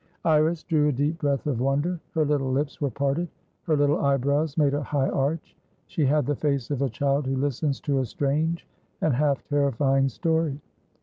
Iris drew a deep breath of wonder. Her little lips were parted, her little eyebrows made a high arch; she had the face of a child who listens to a strange and half terrifying story.